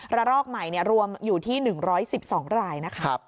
ระรอกใหม่รวมอยู่ที่๑๑๒ไหลน์